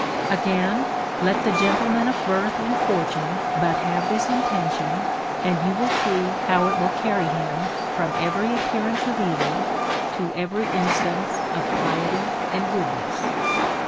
Again, let the gentleman of birth and fortune but have this intention, and you will see how it will carry DEVOUT AND HOLY LIFE. 15 him from every appearance of evil to every instance of piety and goodness.